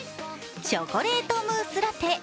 チョコレートムースラテ。